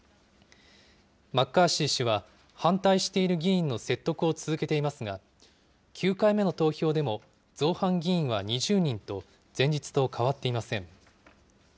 マッカーシー氏は、反対している議員の説得を続けていますが、９回目の投票でも造反議員は２０人と、前日と変わっていません。